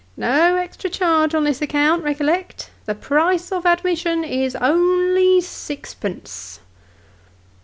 No extra charge on this account recollect ; the price of admission is only sixpence."